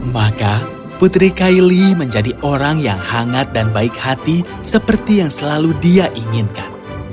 maka putri kylie menjadi orang yang hangat dan baik hati seperti yang selalu dia inginkan